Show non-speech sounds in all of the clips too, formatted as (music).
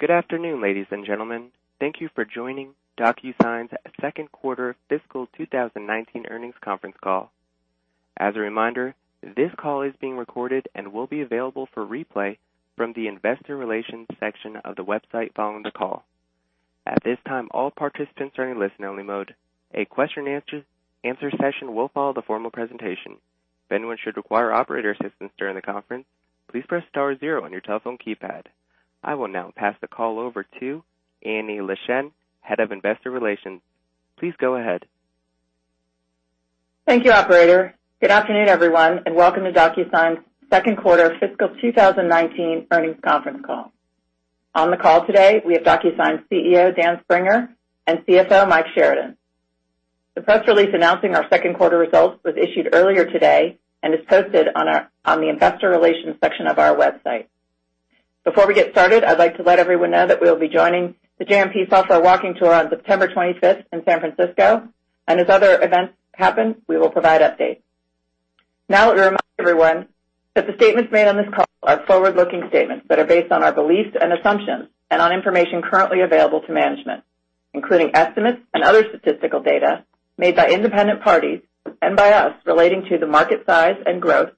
Good afternoon, ladies and gentlemen. Thank you for joining DocuSign's second quarter fiscal 2019 earnings conference call. As a reminder, this call is being recorded and will be available for replay from the investor relations section of the website following the call. At this time, all participants are in listen-only mode. A question and answer session will follow the formal presentation. If anyone should require operator assistance during the conference, please press star zero on your telephone keypad. I will now pass the call over to Annie Leschin, Head of Investor Relations. Please go ahead. Thank you, operator. Good afternoon, everyone, and welcome to DocuSign's second quarter fiscal 2019 earnings conference call. On the call today, we have DocuSign CEO, Dan Springer, and CFO, Mike Sheridan. The press release announcing our second quarter results was issued earlier today and is posted on the investor relations section of our website. Before we get started, I'd like to let everyone know that we'll be joining the JMP Software Walking Tour on September 25th in San Francisco. As other events happen, we will provide updates. Let me remind everyone that the statements made on this call are forward-looking statements that are based on our beliefs and assumptions and on information currently available to management, including estimates and other statistical data made by independent parties and by us relating to the market size and growth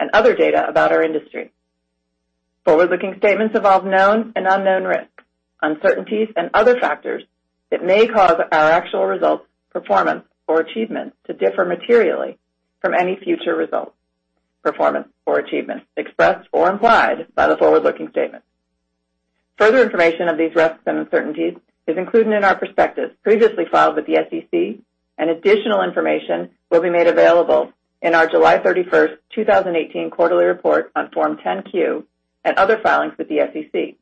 and other data about our industry. Forward-looking statements involve known and unknown risks, uncertainties, and other factors that may cause our actual results, performance, or achievement to differ materially from any future results, performance, or achievement expressed or implied by the forward-looking statements. Further information on these risks and uncertainties is included in our perspectives previously filed with the SEC, and additional information will be made available in our July 31st, 2018 quarterly report on Form 10-Q and other filings with the SEC.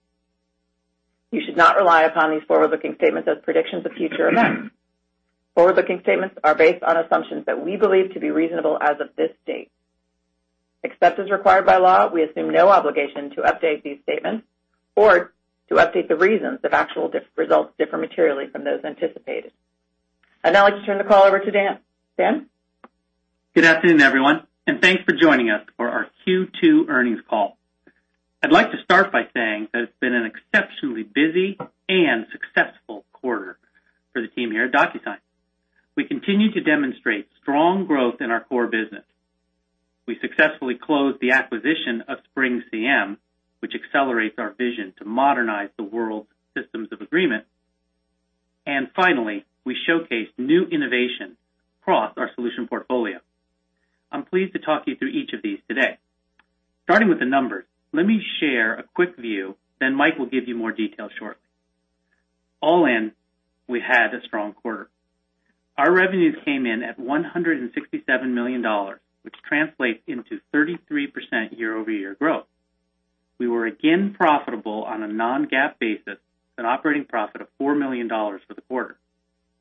You should not rely upon these forward-looking statements as predictions of future events. Forward-looking statements are based on assumptions that we believe to be reasonable as of this date. Except as required by law, we assume no obligation to update these statements or to update the reasons if actual results differ materially from those anticipated. I'd now like to turn the call over to Dan. Dan? Good afternoon, everyone, and thanks for joining us for our Q2 earnings call. I'd like to start by saying that it's been an exceptionally busy and successful quarter for the team here at DocuSign. We continue to demonstrate strong growth in our core business. We successfully closed the acquisition of SpringCM, which accelerates our vision to modernize the world's System of Agreement. Finally, we showcased new innovation across our solution portfolio. I'm pleased to talk you through each of these today. Starting with the numbers, let me share a quick view. Mike will give you more details shortly. All in, we had a strong quarter. Our revenues came in at $167 million, which translates into 33% year-over-year growth. We were again profitable on a non-GAAP basis with an operating profit of $4 million for the quarter.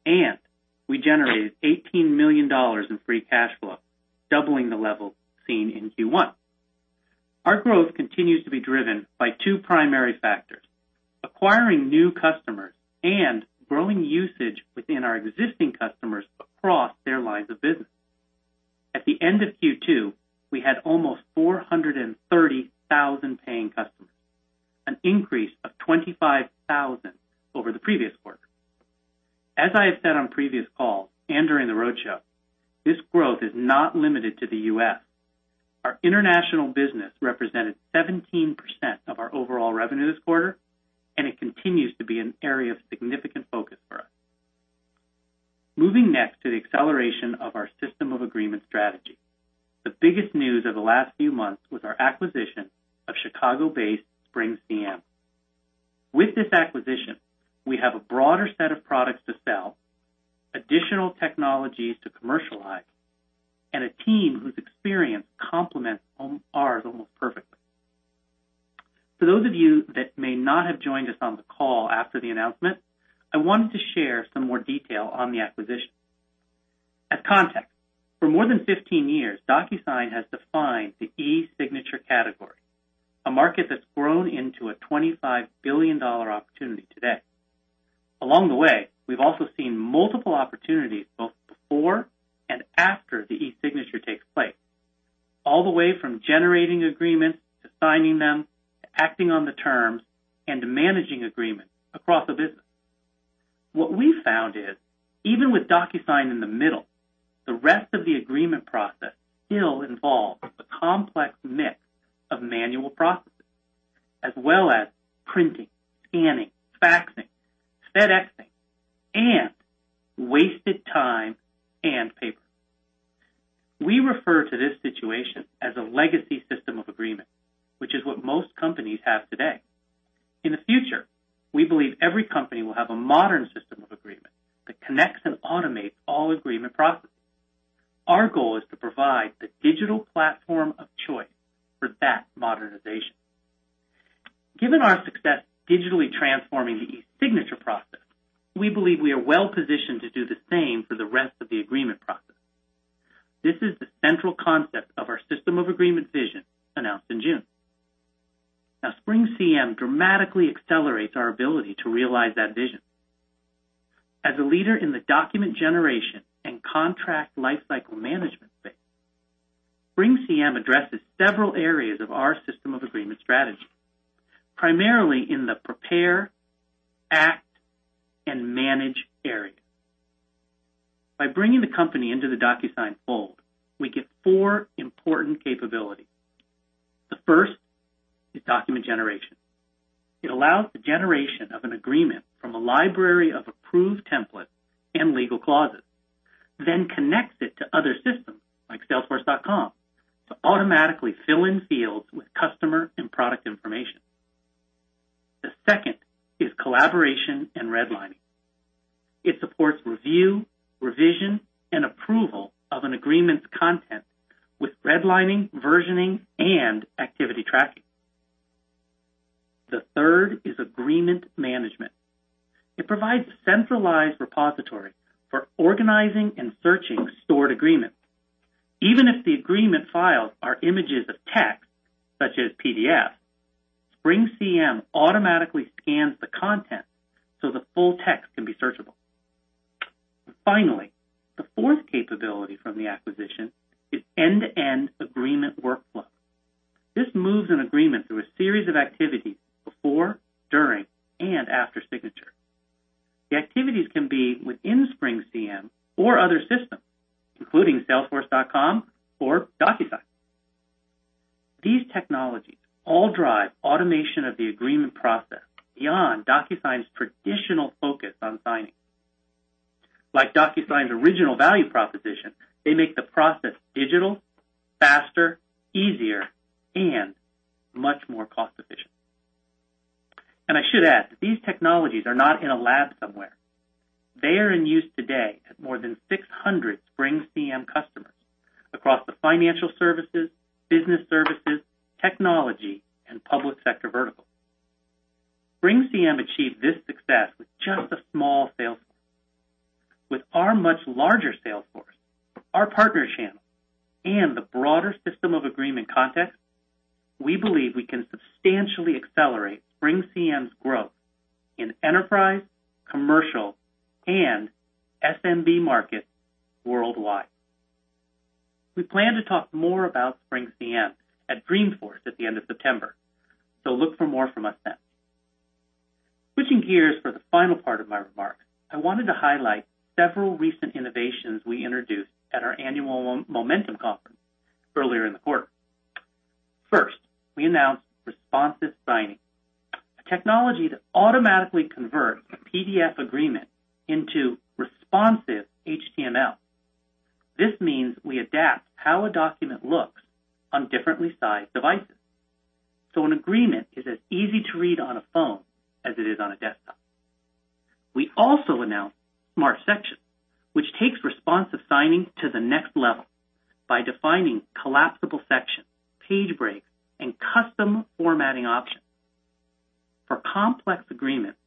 We generated $18 million in free cash flow, doubling the level seen in Q1. Our growth continues to be driven by two primary factors, acquiring new customers and growing usage within our existing customers across their lines of business. At the end of Q2, we had almost 430,000 paying customers, an increase of 25,000 over the previous quarter. As I have said on previous calls and during the roadshow, this growth is not limited to the U.S. Our international business represented 17% of our overall revenue this quarter, and it continues to be an area of significant focus for us. Moving next to the acceleration of our System of Agreement strategy. The biggest news of the last few months was our acquisition of Chicago-based SpringCM. With this acquisition, we have a broader set of products to sell, additional technologies to commercialize, and a team whose experience complements ours almost perfectly. For those of you that may not have joined us on the call after the announcement, I wanted to share some more detail on the acquisition. As context, for more than 15 years, DocuSign has defined the e-signature category, a market that's grown into a $25 billion opportunity today. Along the way, we've also seen multiple opportunities both before and after the e-signature takes place, all the way from generating agreements to signing them, to acting on the terms, and to managing agreements across a business. What we found is, even with DocuSign in the middle, the rest of the agreement process still involves a complex mix of manual processes, as well as printing, scanning, faxing, FedExing, and wasted time and paper. We refer to this situation as a legacy System of Agreement, which is what most companies have today. In the future, we believe every company will have a modern System of Agreement that connects and automates all agreement processes. Our goal is to provide the digital platform of choice for that modernization. Given our success digitally transforming the e-signature process, we believe we are well-positioned to do the same for the rest of the agreement process. This is the central concept of our System of Agreement vision announced in June. SpringCM dramatically accelerates our ability to realize that vision. As a leader in the document generation and contract lifecycle management space, SpringCM addresses several areas of our System of Agreement strategy, primarily in the prepare, act, and manage area. By bringing the company into the DocuSign fold, we get four important capabilities. The first is document generation. It allows the generation of an agreement from a library of approved templates and legal clauses, then connects it to other systems like Salesforce to automatically fill in fields with customer and product information. The second is collaboration and redlining. It supports review, revision, and approval of an agreement's content with redlining, versioning, and activity tracking. The third is agreement management. It provides a centralized repository for organizing and searching stored agreements. Even if the agreement files are images of text, such as PDF, SpringCM automatically scans the content so the full text can be searchable. Finally, the fourth capability from the acquisition is end-to-end agreement workflow. This moves an agreement through a series of activities before, during, and after signature. The activities can be within SpringCM or other systems, including Salesforce or DocuSign. These technologies all drive automation of the agreement process beyond DocuSign's traditional focus on signing. Like DocuSign's original value proposition, they make the process digital, faster, easier, and much more cost-efficient. I should add that these technologies are not in a lab somewhere. They are in use today at more than 600 SpringCM customers across the financial services, business services, technology, and public sector verticals. SpringCM achieved this success with just a small sales force. With our much larger sales force, our partner channels, and the broader System of Agreement context, we believe we can substantially accelerate SpringCM's growth in enterprise, commercial, and SMB markets worldwide. We plan to talk more about SpringCM at Dreamforce at the end of September, so look for more from us then. Switching gears for the final part of my remarks, I wanted to highlight several recent innovations we introduced at our annual Momentum conference earlier in the quarter. First, we announced Responsive Signing, a technology that automatically converts a PDF agreement into responsive HTML. This means we adapt how a document looks on differently sized devices. An agreement is as easy to read on a phone as it is on a desktop. We also announced Smart Sections, which takes Responsive Signing to the next level by defining collapsible sections, page breaks, and custom formatting options. For complex agreements,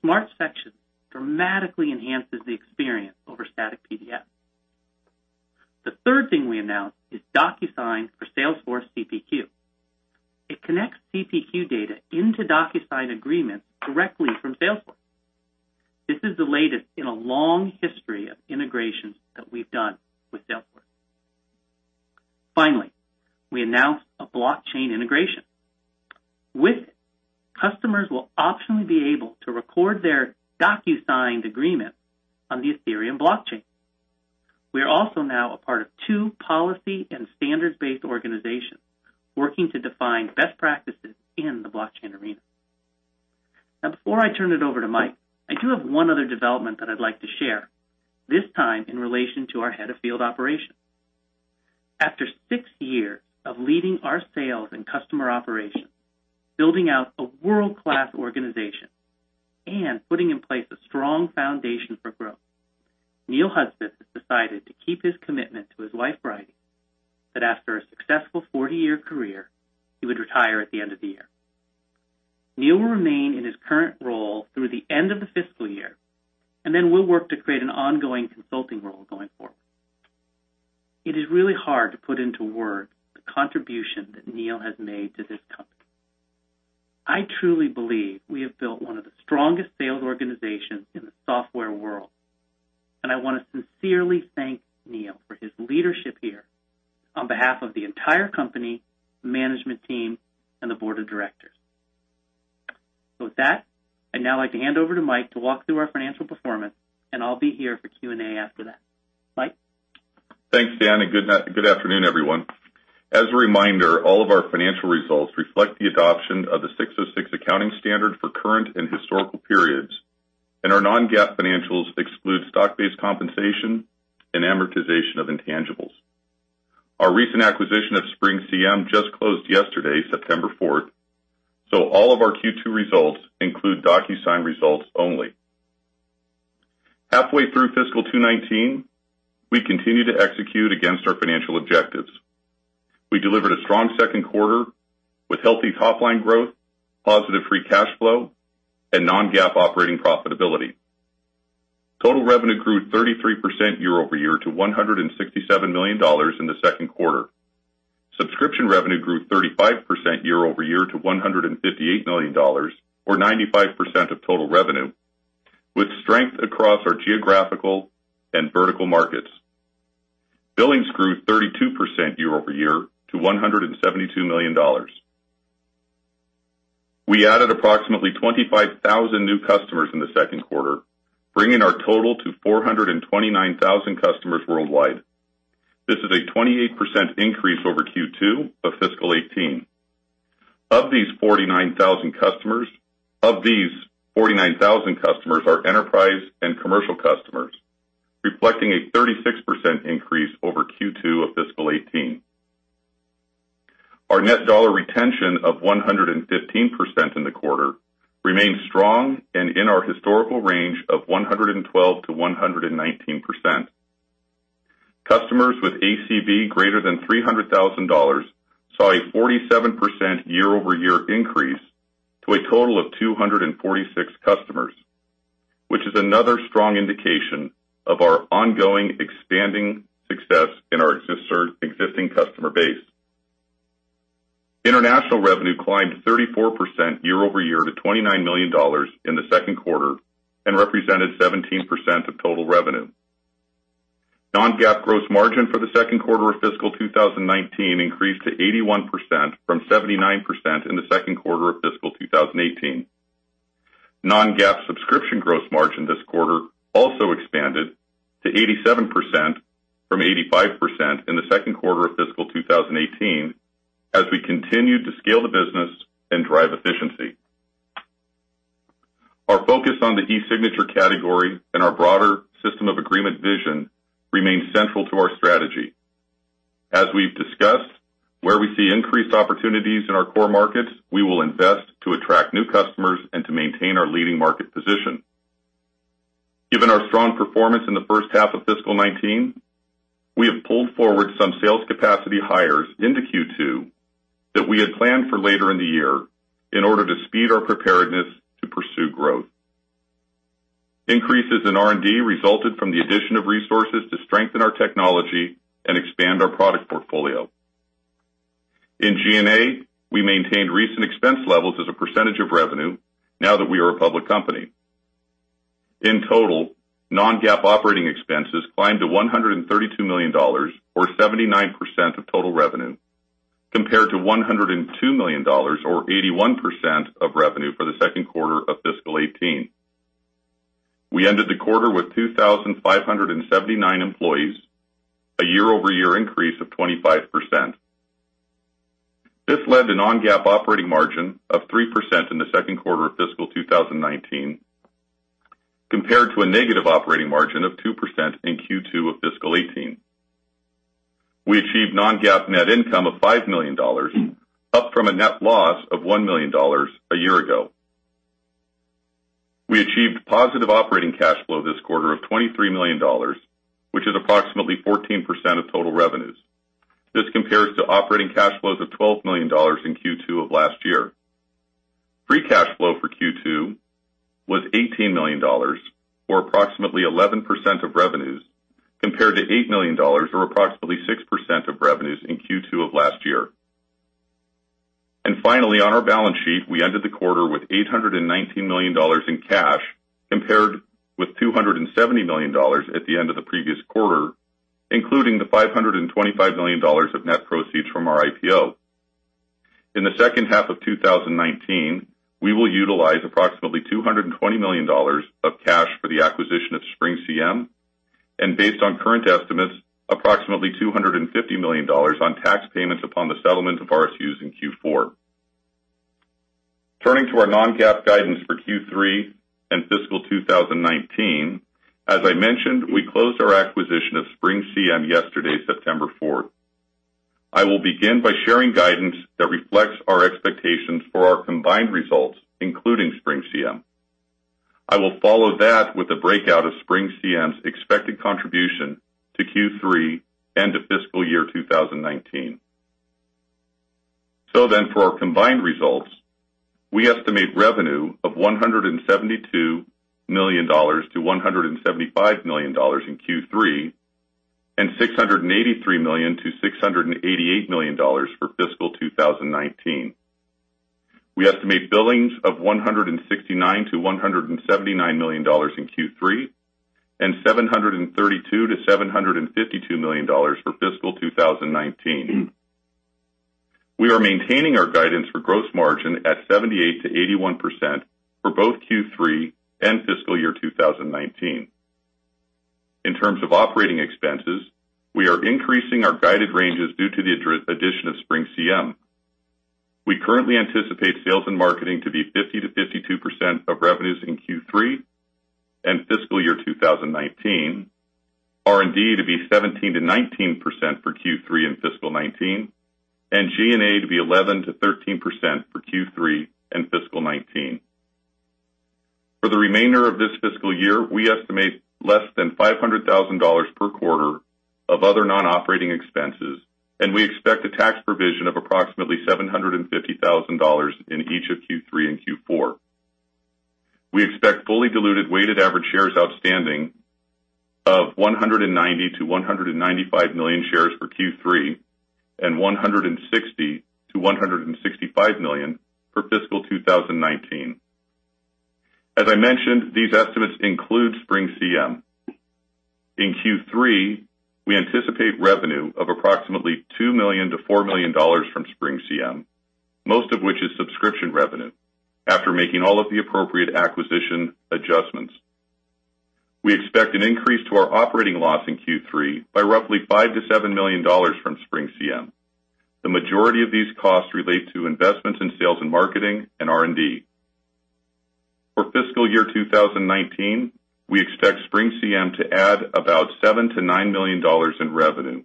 Smart Sections dramatically enhances the experience over static PDF. The third thing we announced is DocuSign for Salesforce CPQ. It connects CPQ data into DocuSign agreements directly from Salesforce. This is the latest in a long history of integrations that we've done with Salesforce. We announced a blockchain integration. With it, customers will optionally be able to record their DocuSign agreements on the Ethereum blockchain. We are also now a part of two policy and standards-based organizations working to define best practices in the blockchain arena. Before I turn it over to Mike, I do have one other development that I'd like to share, this time in relation to our head of field operations. After six years of leading our sales and customer operations, building out a world-class organization, and putting in place a strong foundation for growth, Neil Hudspeth has decided to keep his commitment to his wife, Bridie, that after a successful 40-year career, he would retire at the end of the year. Neil will remain in his current role through the end of the fiscal year, and then we'll work to create an ongoing consulting role going forward. It is really hard to put into words the contribution that Neil has made to this company. I truly believe we have built one of the strongest sales organizations in the software world, and I want to sincerely thank Neil for his leadership here on behalf of the entire company, management team, and the board of directors. With that, I'd now like to hand over to Mike to walk through our financial performance, and I'll be here for Q&A after that. Mike? Thanks, Dan, good afternoon, everyone. As a reminder, all of our financial results reflect the adoption of the 606 accounting standard for current and historical periods. Our non-GAAP financials exclude stock-based compensation and amortization of intangibles. Our recent acquisition of SpringCM just closed yesterday, September 4th. All of our Q2 results include DocuSign results only. Halfway through fiscal 2019, we continue to execute against our financial objectives. We delivered a strong second quarter with healthy top-line growth, positive free cash flow, and non-GAAP operating profitability. Total revenue grew 33% year-over-year to $167 million in the second quarter. Subscription revenue grew 35% year-over-year to $158 million, or 95% of total revenue, with strength across our geographical and vertical markets. Billings grew 32% year-over-year to $172 million. We added approximately 25,000 new customers in the second quarter, bringing our total to 429,000 customers worldwide. This is a 28% increase over Q2 of fiscal 2018. Of these, 49,000 customers are enterprise and commercial customers, reflecting a 36% increase over Q2 of fiscal 2018. Our net dollar retention of 115% in the quarter remains strong and in our historical range of 112%-119%. Customers with ACV greater than $300,000 saw a 47% year-over-year increase to a total of 246 customers, which is another strong indication of our ongoing expanding success in our existing customer base. International revenue climbed 34% year-over-year to $29 million in the second quarter and represented 17% of total revenue. Non-GAAP gross margin for the second quarter of fiscal 2019 increased to 81%, from 79% in the second quarter of fiscal 2018. Non-GAAP subscription gross margin this quarter also expanded to 87%, from 85% in the second quarter of fiscal 2018, as we continued to scale the business and drive efficiency. Our focus on the e-signature category and our broader System of Agreement vision remains central to our strategy. Where we see increased opportunities in our core markets, we will invest to attract new customers and to maintain our leading market position. Given our strong performance in the first half of fiscal 2019, we have pulled forward some sales capacity hires into Q2 that we had planned for later in the year in order to speed our preparedness to pursue growth. Increases in R&D resulted from the addition of resources to strengthen our technology and expand our product portfolio. In G&A, we maintained recent expense levels as a percentage of revenue now that we are a public company. In total, non-GAAP operating expenses climbed to $132 million, or 79% of total revenue, compared to $102 million, or 81% of revenue for the second quarter of fiscal 2018. We ended the quarter with 2,579 employees, a year-over-year increase of 25%. This led to non-GAAP operating margin of 3% in the second quarter of fiscal 2019, compared to a negative operating margin of 2% in Q2 of fiscal 2018. We achieved non-GAAP net income of $5 million, up from a net loss of $1 million a year ago. We achieved positive operating cash flow this quarter of $23 million, which is approximately 14% of total revenues. This compares to operating cash flows of $12 million in Q2 of last year. Free cash flow for Q2 was $18 million, or approximately 11% of revenues, compared to $8 million, or approximately 6% of revenues in Q2 of last year. Finally, on our balance sheet, we ended the quarter with $819 million in cash, compared with $270 million at the end of the previous quarter, including the $525 million of net proceeds from our IPO. In the second half of 2019, we will utilize approximately $220 million of cash for the acquisition of SpringCM, and based on current estimates, approximately $250 million on tax payments upon the settlement of RSUs in Q4. Turning to our non-GAAP guidance for Q3 and fiscal 2019, as I mentioned, we closed our acquisition of SpringCM yesterday, September 4th. I will begin by sharing guidance that reflects our expectations for our combined results, including SpringCM. I will follow that with a breakout of SpringCM's expected contribution to Q3 and to fiscal year 2019. For our combined results, we estimate revenue of $172 million to $175 million in Q3, and $683 million to $688 million for fiscal 2019. We estimate billings of $169 million to $179 million in Q3, and $732 million to $752 million for fiscal 2019. We are maintaining our guidance for gross margin at 78%-81% for both Q3 and fiscal year 2019. In terms of operating expenses, we are increasing our guided ranges due to the addition of SpringCM. We currently anticipate sales and marketing to be 50%-52% of revenues in Q3 and fiscal year 2019, R&D to be 17%-19% for Q3 in fiscal 2019, and G&A to be 11%-13% for Q3 and fiscal 2019. For the remainder of this fiscal year, we estimate less than $500,000 per quarter of other non-operating expenses, and we expect a tax provision of approximately $750,000 in each of Q3 and Q4. We expect fully diluted weighted average shares outstanding 190 million to 195 million shares for Q3, and 160 million to 165 million for fiscal 2019. As I mentioned, these estimates include SpringCM. In Q3, we anticipate revenue of approximately $2 million to $4 million from SpringCM, most of which is subscription revenue, after making all of the appropriate acquisition adjustments. We expect an increase to our operating loss in Q3 by roughly $5 million to $7 million from SpringCM. The majority of these costs relate to investments in sales and marketing and R&D. For fiscal year 2019, we expect SpringCM to add about $7 million to $9 million in revenue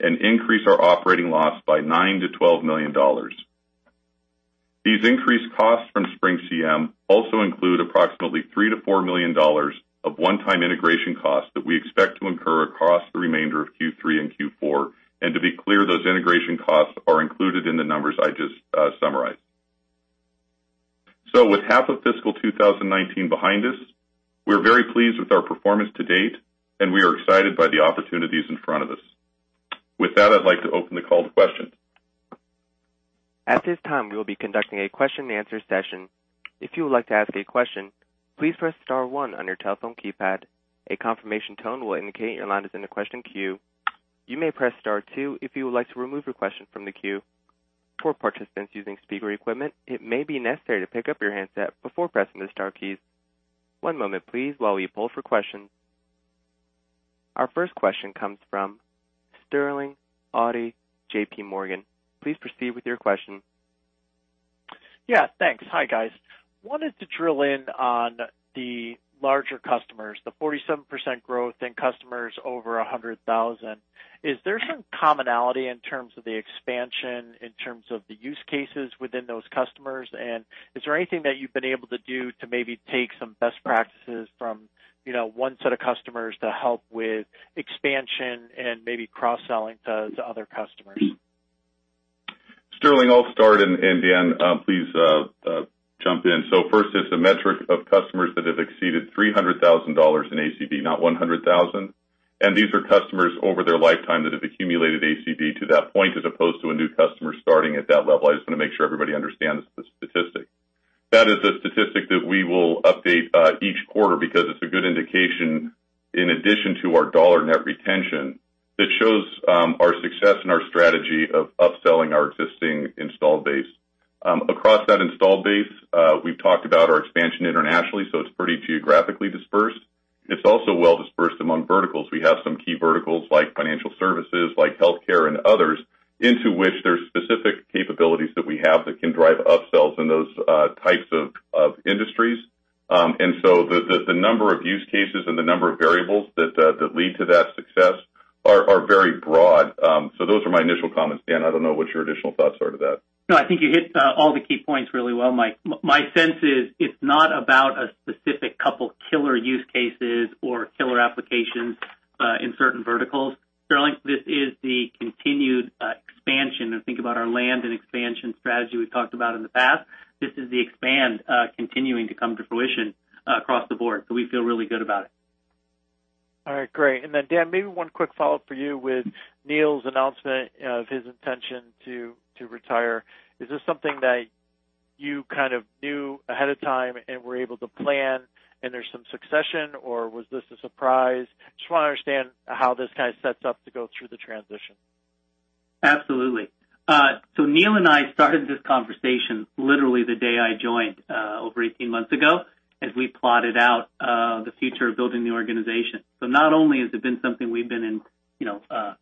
and increase our operating loss by $9 million to $12 million. These increased costs from SpringCM also include approximately $3 million to $4 million of one-time integration costs that we expect to incur across the remainder of Q3 and Q4. To be clear, those integration costs are included in the numbers I just summarized. With half of fiscal 2019 behind us, we're very pleased with our performance to date, and we are excited by the opportunities in front of us. With that, I'd like to open the call to questions. At this time, we will be conducting a question-and-answer session. If you would like to ask a question, please press star one on your telephone keypad. A confirmation tone will indicate your line is in the question queue. You may press star two if you would like to remove your question from the queue. For participants using speaker equipment, it may be necessary to pick up your handset before pressing the star keys. One moment, please, while we poll for questions. Our first question comes from Sterling Auty, JP Morgan. Please proceed with your question. Yeah, thanks. Hi, guys. Wanted to drill in on the larger customers, the 47% growth in customers over $100,000. Is there some commonality in terms of the expansion, in terms of the use cases within those customers? Is there anything that you've been able to do to maybe take some best practices from one set of customers to help with expansion and maybe cross-selling to other customers? Sterling, I'll start, and Dan, please jump in. First, it's a metric of customers that have exceeded $300,000 in ACV, not $100,000. These are customers over their lifetime that have accumulated ACV to that point, as opposed to a new customer starting at that level. I just want to make sure everybody understands the statistic. That is a statistic that we will update each quarter because it's a good indication, in addition to our net dollar retention, that shows our success and our strategy of upselling our existing installed base. Across that installed base, we've talked about our expansion internationally, so it's pretty geographically dispersed. It's also well dispersed among verticals. We have some key verticals like financial services, like healthcare and others, into which there's specific capabilities that we have that can drive upsells in those types of industries. The number of use cases and the number of variables that lead to that success are very broad. Those are my initial comments. Dan, I don't know what your additional thoughts are to that. No, I think you hit all the key points really well, Mike. My sense is it's not about a specific couple killer use cases or killer applications in certain verticals. Sterling, this is the continued expansion. If you think about our land and expansion strategy we've talked about in the past, this is the expand continuing to come to fruition across the board. We feel really good about it. Dan, maybe one quick follow-up for you. With Neil's announcement of his intention to retire, is this something that you kind of knew ahead of time and were able to plan, and there's some succession, or was this a surprise? I just want to understand how this kind of sets up to go through the transition. Absolutely. Neil and I started this conversation literally the day I joined over 18 months ago as we plotted out the future of building the organization. Not only has it been something we've been in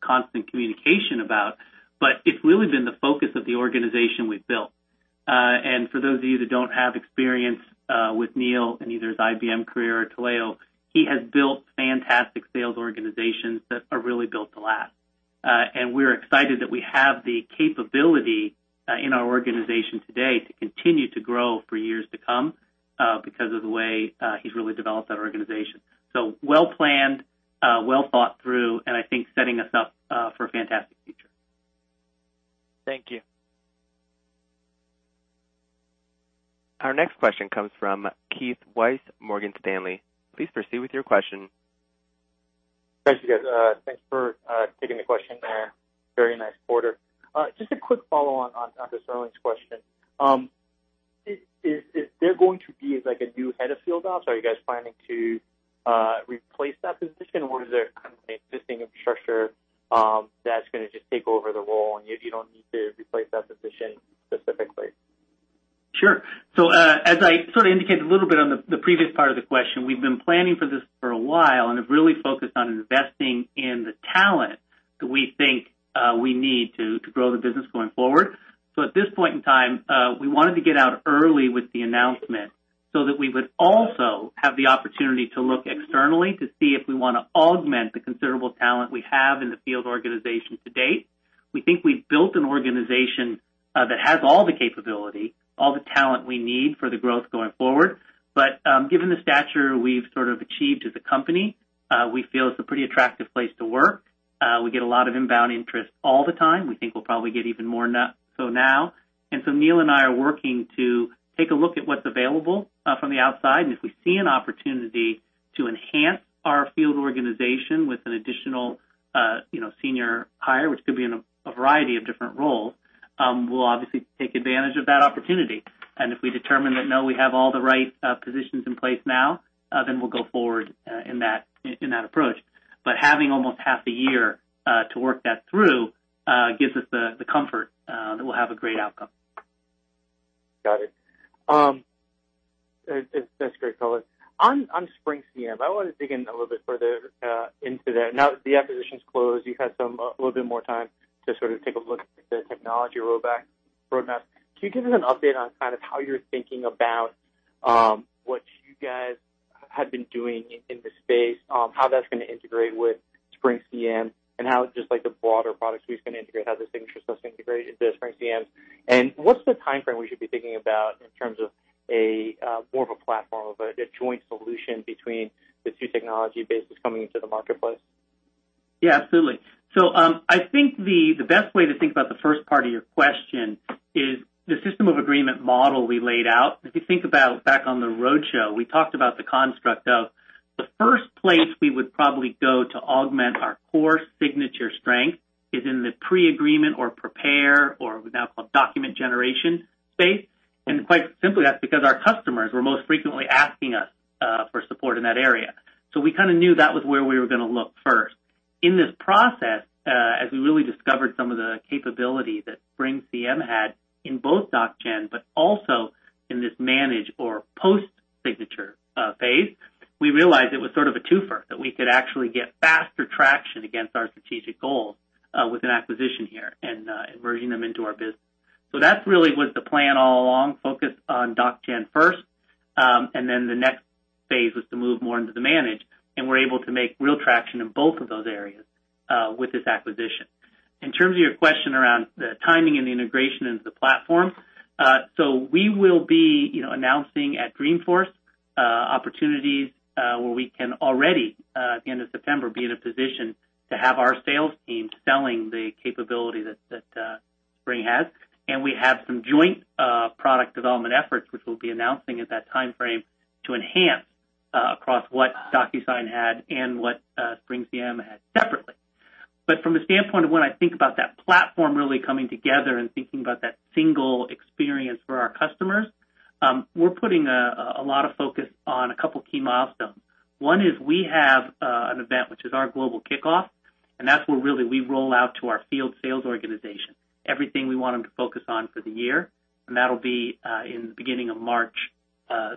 constant communication about, but it's really been the focus of the organization we've built. For those of you that don't have experience with Neil and either his IBM career or Taleo, he has built fantastic sales organizations that are really built to last. We're excited that we have the capability in our organization today to continue to grow for years to come because of the way he's really developed that organization. Well-planned, well thought through, and I think setting us up for a fantastic future. Thank you. Our next question comes from Keith Weiss, Morgan Stanley. Please proceed with your question. Thanks, you guys. Thanks for taking the question there. Very nice quarter. Just a quick follow on to Sterling's question. Is there going to be like a new head of field ops? Are you guys planning to replace that position, or is there kind of an existing infrastructure that's going to just take over the role, and you don't need to replace that position specifically? Sure. As I sort of indicated a little bit on the previous part of the question, we've been planning for this for a while and have really focused on investing in the talent that we think we need to grow the business going forward. At this point in time, we wanted to get out early with the announcement so that we would also have the opportunity to look externally to see if we want to augment the considerable talent we have in the field organization to date. We think we've built an organization that has all the capability, all the talent we need for the growth going forward. Given the stature we've sort of achieved as a company, we feel it's a pretty attractive place to work. We get a lot of inbound interest all the time. We think we'll probably get even more so now. Neil and I are working to take a look at what's available from the outside, and if we see an opportunity to enhance our field organization with an additional senior hire, which could be in a variety of different roles, we'll obviously take advantage of that opportunity. If we determine that, no, we have all the right positions in place now, then we'll go forward in that approach. Having almost half a year to work that through gives us the comfort that we'll have a great outcome. Got it. That's great color. On SpringCM, I want to dig in a little bit further into that. Now the acquisition's closed, you have a little bit more time to take a look at the technology roadmap. Can you give us an update on how you're thinking about what you guys have been doing in this space, how that's going to integrate with SpringCM, and how just the broader products suite's going to integrate, how the signature stuff's integrated into SpringCM? What's the timeframe we should be thinking about in terms of more of a platform, of a joint solution between the two technology bases coming into the marketplace? Yeah, absolutely. I think the best way to think about the first part of your question is the System of Agreement model we laid out. If you think about back on the roadshow, we talked about the construct of the first place we would probably go to augment our core signature strength is in the pre-agreement or prepare, or we now call document generation space. Quite simply, that's because our customers were most frequently asking us for support in that area. We kind of knew that was where we were going to look first. In this process, as we really discovered some of the capability that SpringCM had in both doc gen, but also in this manage or post-signature phase, we realized it was sort of a twofer, that we could actually get faster traction against our strategic goals with an acquisition here and merging them into our business. That really was the plan all along, focused on doc gen first, and then the next phase was to move more into the manage, and we're able to make real traction in both of those areas with this acquisition. In terms of your question around the timing and the integration into the platform, we will be announcing at Dreamforce opportunities where we can already, at the end of September, be in a position to have our sales team selling the capability that Spring has. We have some joint product development efforts, which we'll be announcing at that timeframe to enhance across what DocuSign had and what SpringCM had separately. From a standpoint of when I think about that platform really coming together and thinking about that single experience for our customers, we're putting a lot of focus on a couple key milestones. One is we have an event, which is our global kickoff, and that's where really we roll out to our field sales organization everything we want them to focus on for the year, and that'll be in the beginning of March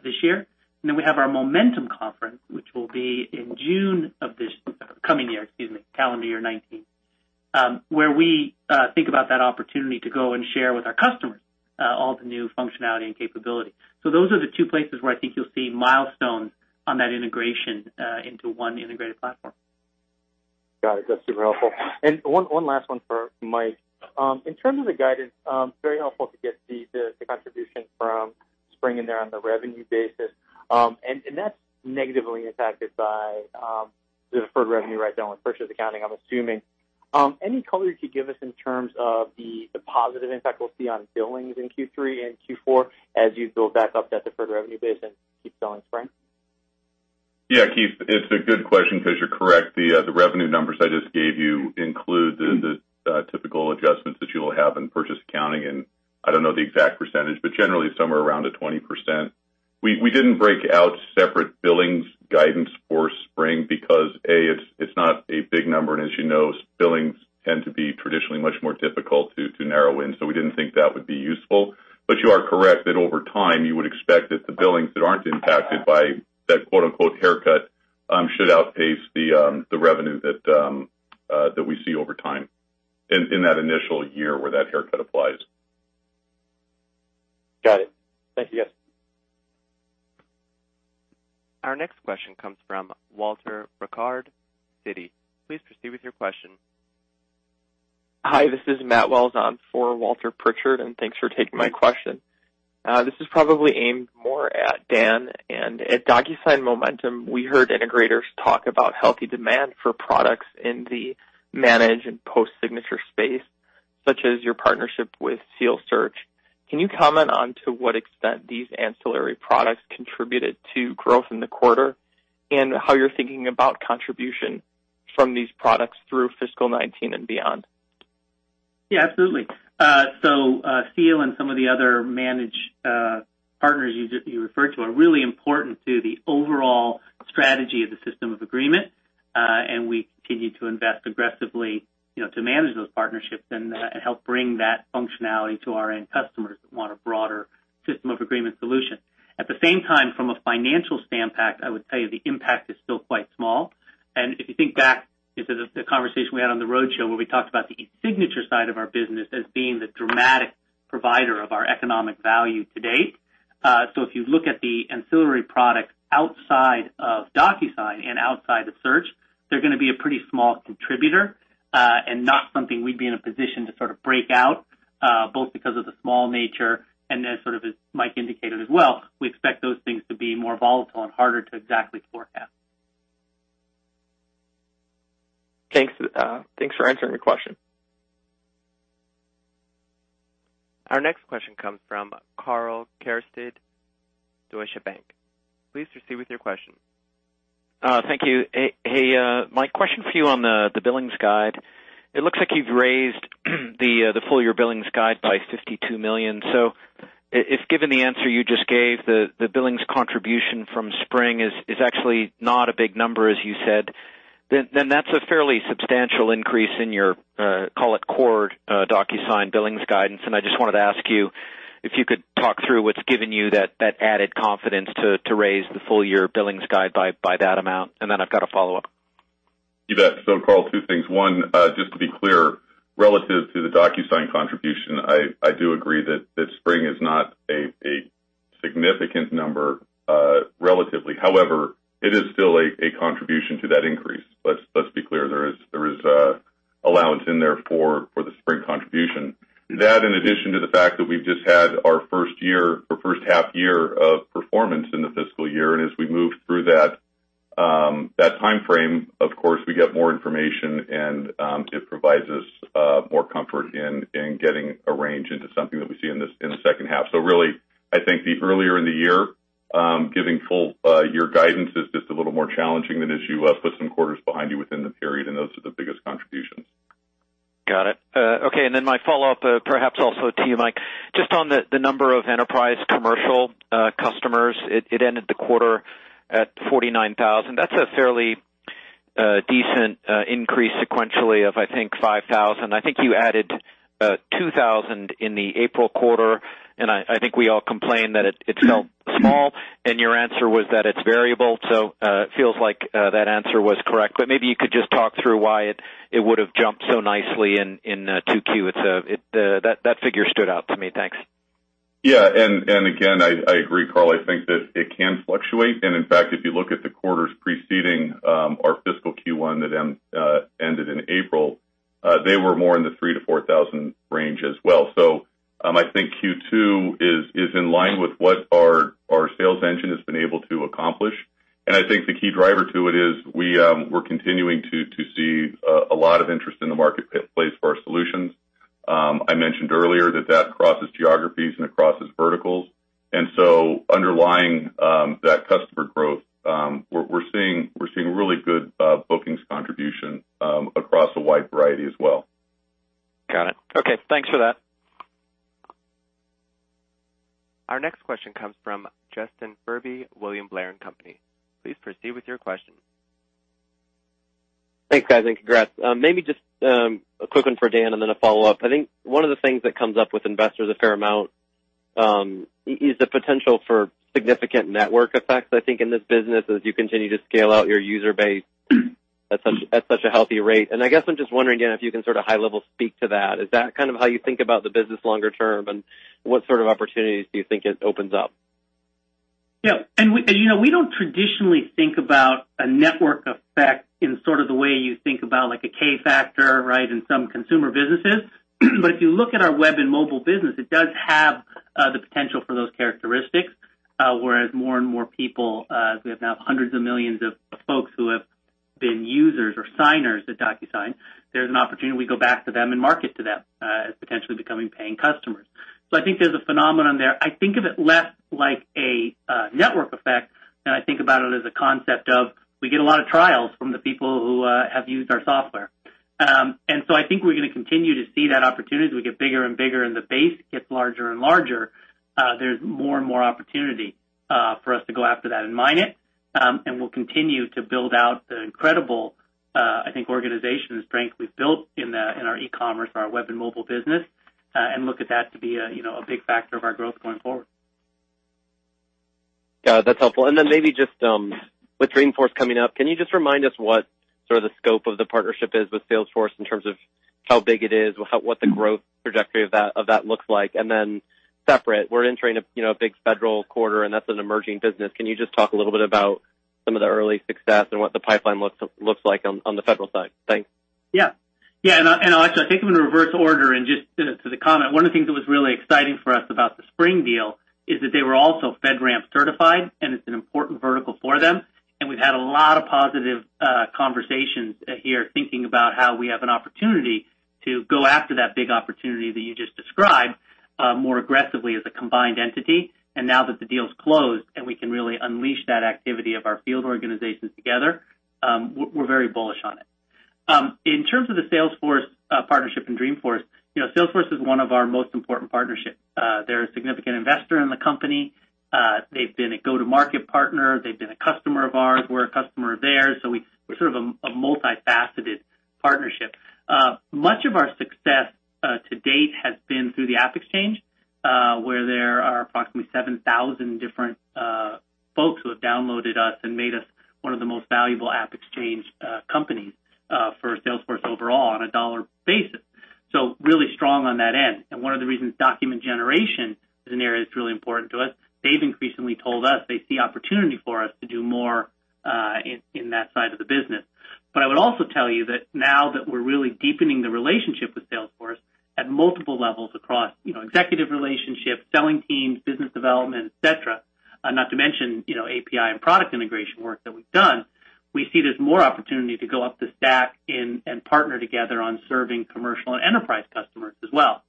this year. Then we have our Momentum Conference, which will be in June of this coming year, excuse me, calendar year 2019, where we think about that opportunity to go and share with our customers all the new functionality and capabilities. Those are the two places where I think you'll see milestones on that integration into one integrated platform. Got it. That's super helpful. One last one for Mike. In terms of the guidance, very helpful to get the contribution from Spring in there on the revenue basis. That's negatively impacted by the deferred revenue right down with purchase accounting, I'm assuming. Any color you could give us in terms of the positive impact we'll see on billings in Q3 and Q4 as you build back up that deferred revenue base and keep selling Spring? Yeah, Keith, it's a good question because you're correct. The revenue numbers I just gave you include the typical adjustments that you will have in purchase accounting, and I don't know the exact percentage, but generally somewhere around a 20%. We didn't break out separate billings guidance for Spring because, A, it's not a big number, and as you know, billings tend to be traditionally much more difficult to narrow in. We didn't think that would be useful. You are correct that over time, you would expect that the billings that aren't impacted by that "haircut" should outpace the revenue that we see over time in that initial year where that haircut applies. Got it. Thank you, guys. Our next question comes from Walter Pritchard, Citi. Please proceed with your question. Hi, this is Matthew Wells. I'm for Walter Pritchard, thanks for taking my question. This is probably aimed more at Dan. At DocuSign Momentum, we heard integrators talk about healthy demand for products in the manage and post-signature space, such as your partnership with Seal Software. Can you comment on to what extent these ancillary products contributed to growth in the quarter and how you're thinking about contribution from these products through fiscal 2019 and beyond? Absolutely. Seal and some of the other manage partners you referred to are really important to the overall strategy of the System of Agreement. We continue to invest aggressively to manage those partnerships and help bring that functionality to our end customers that want a broader System of Agreement solution. At the same time, from a financial standpoint, I would say the impact is still quite small. If you think back into the conversation we had on the roadshow where we talked about the e-signature side of our business as being the dramatic provider of our economic value to date. If you look at the ancillary products outside of DocuSign and outside of (Search), they're going to be a pretty small contributor, not something we'd be in a position to break out, (inaudible) as Mike indicated as well, we expect those things to be more volatile and harder to exactly forecast. Thanks for answering the question. Our next question comes from Karl Keirstead, Deutsche Bank. Please proceed with your question. Thank you. My question for you on the billings guide, it looks like you've raised the full year billings guide by $52 million. If given the answer you just gave, the billings contribution from Spring is actually not a big number, as you said, then that's a fairly substantial increase in your, call it core, DocuSign billings guidance. I just wanted to ask you if you could talk through what's given you that added confidence to raise the full year billings guide by that amount? I've got a follow-up. You bet. Karl, two things. One, just to be clear, relative to the DocuSign contribution, I do agree that Spring is not a significant number relatively. However, it is still a contribution to that increase. Let's be clear. There is allowance in there for the Spring contribution. That, in addition to the fact that we've just had our first half year of performance in the fiscal year, as we move through that timeframe, of course, we get more information and it provides us more comfort in getting a range into something that we see in the second half. Really, I think the earlier in the year, giving full year guidance is just a little more challenging than as you put some quarters behind you within the period, and those are the biggest contributions. Got it. My follow-up, perhaps also to you, Mike, just on the number of enterprise commercial customers. It ended the quarter at 49,000. That's a fairly decent increase sequentially of, I think, 5,000. I think you added 2,000 in the April quarter, we all complained that it felt small, your answer was that it's variable. It feels like that answer was correct. Maybe you could just talk through why it would've jumped so nicely in 2Q. That figure stood out to me. Thanks. Yeah. Again, I agree, Karl. I think that it can fluctuate, in fact, if you look at the quarters preceding our fiscal Q1 that ended in April, they were more in the 3,000-4,000 range as well. I think Q2 is in line with what our sales engine has been able to accomplish, I think the key driver to it is we're continuing to see a lot of interest in the marketplace for our solutions. I mentioned earlier that that crosses geographies it crosses verticals, underlying that customer growth, we're seeing really good bookings contribution across a wide variety as well. Got it. Okay, thanks for that. Our next question comes from Justin Furby, William Blair & Company. Please proceed with your question. Thanks, guys, and congrats. Maybe just a quick one for Dan and then a follow-up. I think one of the things that comes up with investors a fair amount, is the potential for significant network effects, I think, in this business as you continue to scale out your user base at such a healthy rate. I guess I'm just wondering, Dan, if you can high level speak to that. Is that how you think about the business longer term, and what sort of opportunities do you think it opens up? Yeah. We don't traditionally think about a network effect in the way you think about like a K-factor in some consumer businesses. If you look at our web and mobile business, it does have the potential for those characteristics, whereas more and more people, as we have now hundreds of millions of folks who have been users or signers at DocuSign, there's an opportunity we go back to them and market to them as potentially becoming paying customers. I think there's a phenomenon there. I think of it less like a network effect than I think about it as a concept of we get a lot of trials from the people who have used our software. I think we're going to continue to see that opportunity as we get bigger and bigger and the base gets larger and larger. There's more and more opportunity for us to go after that and mine it. We'll continue to build out the incredible organization and strength we've built in our e-commerce, our web and mobile business, and look at that to be a big factor of our growth going forward. Got it. That's helpful. Maybe just with Dreamforce coming up, can you just remind us what the scope of the partnership is with Salesforce in terms of how big it is, what the growth trajectory of that looks like? Separate, we're entering a big federal quarter, and that's an emerging business. Can you just talk a little bit about some of the early success and what the pipeline looks like on the federal side? Thanks. Yeah. I'll actually take them in reverse order and just to the comment, one of the things that was really exciting for us about the Spring deal is that they were also FedRAMP certified. It's an important vertical for them. We've had a lot of positive conversations here, thinking about how we have an opportunity to go after that big opportunity that you just described more aggressively as a combined entity. Now that the deal's closed, we can really unleash that activity of our field organizations together, we're very bullish on it. In terms of the Salesforce partnership and Dreamforce, Salesforce is one of our most important partnerships. They're a significant investor in the company. They've been a go-to-market partner. They've been a customer of ours. We're a customer of theirs. We're a multifaceted partnership. Much of our success to date has been through the AppExchange, where there are approximately 7,000 different folks who have downloaded us and made us one of the most valuable AppExchange companies for Salesforce overall on a dollar basis. Really strong on that end. One of the reasons document generation is an area that's really important to us, they've increasingly told us they see opportunity for us to do more in that side of the business. I would also tell you that now that we're really deepening the relationship with Salesforce at multiple levels across executive relationships, selling teams, business development, et cetera, not to mention API and product integration work that we've done, we see there's more opportunity to go up the stack and partner together on serving commercial and enterprise customers as well.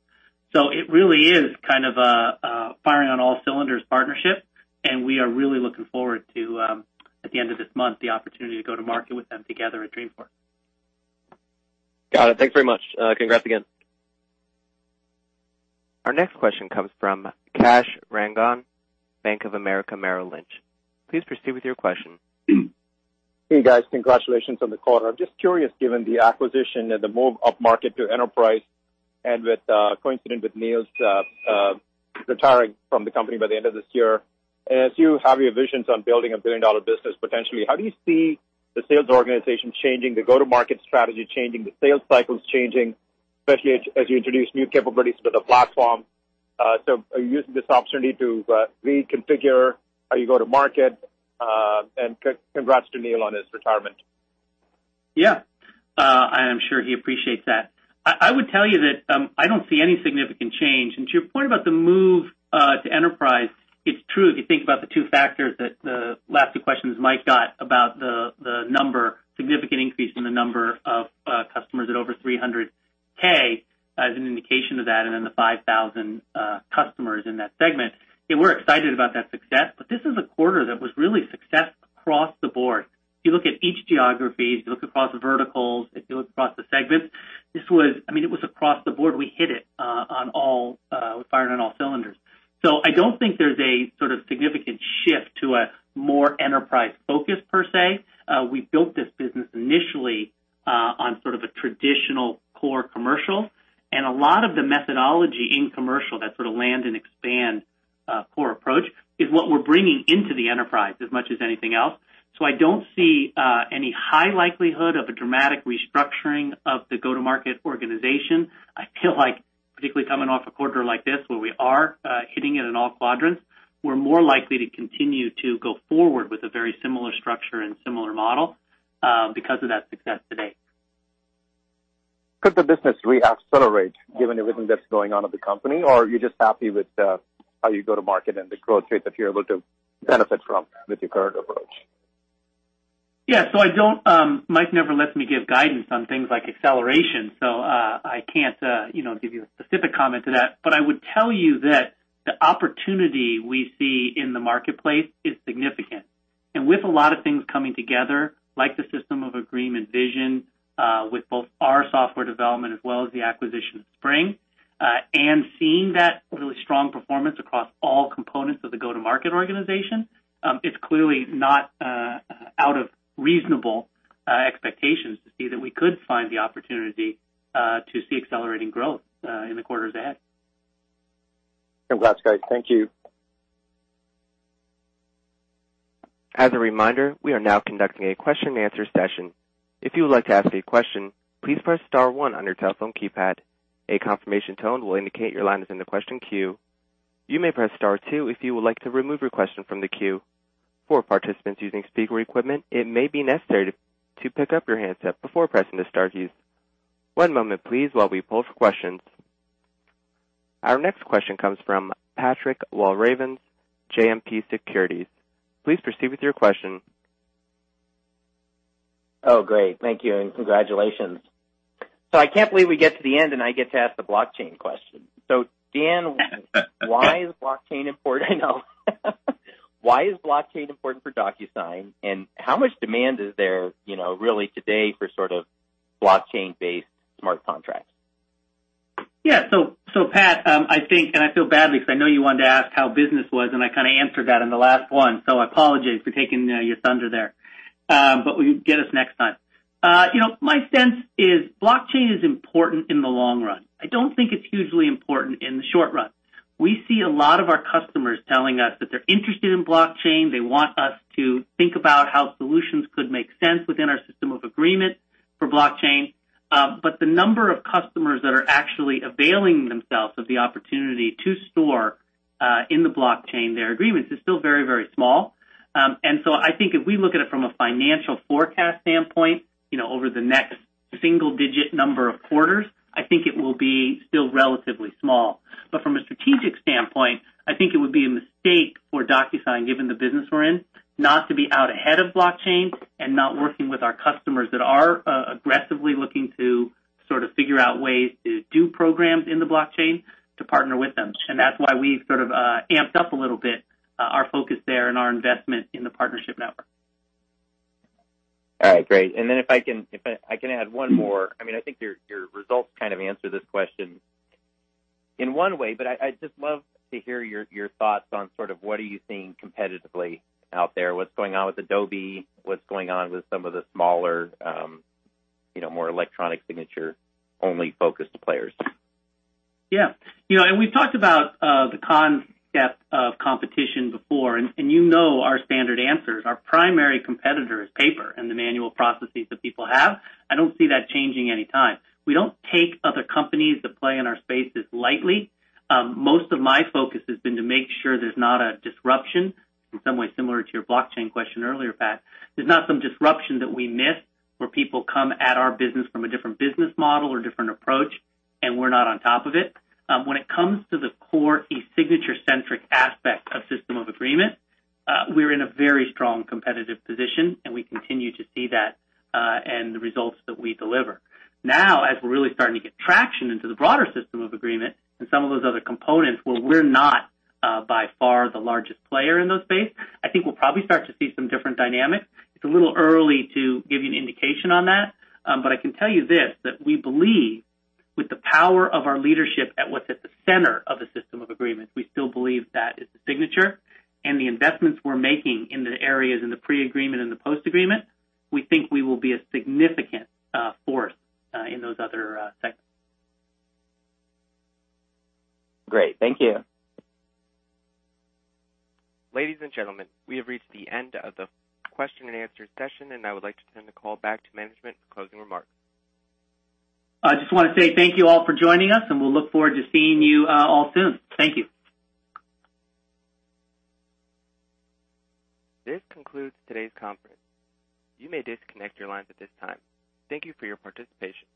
It really is kind of a firing on all cylinders partnership, and we are really looking forward to, at the end of this month, the opportunity to go to market with them together at Dreamforce. Got it. Thanks very much. Congrats again. Our next question comes from Kash Rangan, Bank of America, Merrill Lynch. Please proceed with your question. Hey, guys. Congratulations on the quarter. I'm just curious, given the acquisition and the move upmarket to enterprise, and coincident with Neil's retiring from the company by the end of this year, as you have your visions on building a billion-dollar business potentially, how do you see the sales organization changing, the go-to-market strategy changing, the sales cycles changing, especially as you introduce new capabilities to the platform? Are you using this opportunity to reconfigure how you go to market? And congrats to Neil on his retirement. Yeah. I am sure he appreciates that. I would tell you that I don't see any significant change. To your point about the move to enterprise, it's true if you think about the two factors that the last two questions Mike got about the significant increase in the number of customers at over 300K as an indication of that, and then the 5,000 customers in that segment, and we're excited about that success. This is a quarter that was really success across the board. If you look at each geography, if you look across verticals, if you look across the segments, it was across the board. We're firing on all cylinders. I don't think there's a significant shift to a more enterprise focus per se. We built this business initially on sort of a traditional core commercial, and a lot of the methodology in commercial, that sort of land and expand core approach, is what we're bringing into the enterprise as much as anything else. I don't see any high likelihood of a dramatic restructuring of the go-to-market organization. I feel like, particularly coming off a quarter like this where we are hitting it in all quadrants, we're more likely to continue to go forward with a very similar structure and similar model because of that success today. Could the business reaccelerate given everything that's going on at the company? Or are you just happy with how you go to market and the growth rate that you're able to benefit from with your current approach? Yeah. Mike never lets me give guidance on things like acceleration, so I can't give you a specific comment to that. I would tell you that the opportunity we see in the marketplace is significant. With a lot of things coming together, like the System of Agreement vision with both our software development as well as the acquisition of Spring, and seeing that really strong performance across all components of the go-to-market organization, it's clearly not out of reasonable expectations to see that we could find the opportunity to see accelerating growth in the quarters ahead. Congrats, guys. Thank you. As a reminder, we are now conducting a question and answer session. If you would like to ask a question, please press *1 on your telephone keypad. A confirmation tone will indicate your line is in the question queue. You may press *2 if you would like to remove your question from the queue. For participants using speaker equipment, it may be necessary to pick up your handset before pressing the star keys. One moment please while we poll for questions. Our next question comes from Patrick Walravens, JMP Securities. Please proceed with your question. Oh, great. Thank you, and congratulations. I can't believe we get to the end, and I get to ask the blockchain question. Dan- Why is blockchain important? I know. Why is blockchain important for DocuSign, and how much demand is there really today for blockchain-based smart contracts? Yeah. Pat, I think, and I feel badly because I know you wanted to ask how business was, and I kind of answered that in the last one, so I apologize for taking your thunder there. Get us next time. My sense is blockchain is important in the long run. I don't think it's hugely important in the short run. We see a lot of our customers telling us that they're interested in blockchain. They want us to think about how solutions could make sense within our System of Agreement for blockchain. The number of customers that are actually availing themselves of the opportunity to store in the blockchain their agreements is still very small. I think if we look at it from a financial forecast standpoint over the next single-digit number of quarters, I think it will be still relatively small. From a strategic standpoint, I think it would be a mistake for DocuSign, given the business we're in, not to be out ahead of blockchain and not working with our customers that are aggressively looking to figure out ways to do programs in the blockchain to partner with them. That's why we've amped up a little bit our focus there and our investment in the partnership network. All right, great. If I can add one more. I think your results kind of answer this question in one way, but I'd just love to hear your thoughts on what are you seeing competitively out there? What's going on with Adobe? What's going on with some of the smaller, more e-signature-only focused players? Yeah. We've talked about the concept of competition before, you know our standard answers. Our primary competitor is paper and the manual processes that people have. I don't see that changing any time. We don't take other companies that play in our spaces lightly. Most of my focus has been to make sure there's not a disruption, in some way similar to your blockchain question earlier, Pat. There's not some disruption that we miss where people come at our business from a different business model or different approach, and we're not on top of it. When it comes to the core e-signature centric aspect of System of Agreement, we're in a very strong competitive position, and we continue to see that and the results that we deliver. Now, as we're really starting to get traction into the broader System of Agreement and some of those other components where we're not by far the largest player in those spaces, I think we'll probably start to see some different dynamics. It's a little early to give you an indication on that. I can tell you this, that we believe with the power of our leadership at what's at the center of the System of Agreement, we still believe that is the signature, and the investments we're making in the areas in the pre-agreement and the post-agreement, we think we will be a significant force in those other segments. Great. Thank you. Ladies and gentlemen, we have reached the end of the question and answer session, and I would like to turn the call back to management for closing remarks. I just want to say thank you all for joining us, and we'll look forward to seeing you all soon. Thank you. This concludes today's conference. You may disconnect your lines at this time. Thank you for your participation.